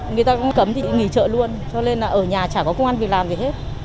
người ta cũng cấm thì nghỉ chợ luôn cho nên là ở nhà chả có công an việc làm gì hết